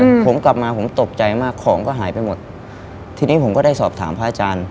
อืมผมกลับมาผมตกใจมากของก็หายไปหมดทีนี้ผมก็ได้สอบถามพระอาจารย์